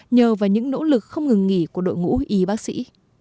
nhờ vào những nỗ lực không ngừng nghỉ của đội ngũ y bác sĩ